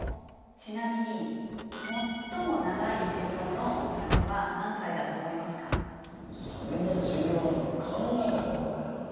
ちなみにサメの寿命なんて考えたこともないな。